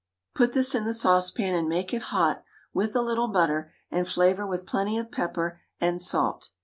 Put this in the saucepan and make it hot, with a little butter, and flavour with plenty of pepper and salt.